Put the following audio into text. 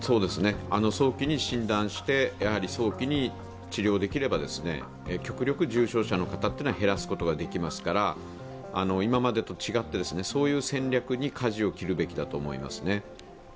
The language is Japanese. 早期に診断して、早期に治療できれば極力重症者の方は減らすことができますから今までと違って、そういう戦略にかじを切るべきだと思います。